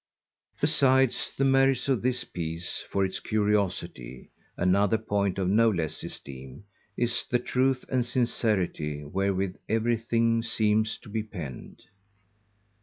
_ _Besides the merits of this Piece for its curiosity, another point of no less esteem, is the truth and sincerity wherewith everything seemeth to be penned.